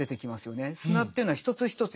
砂というのは一つ一つ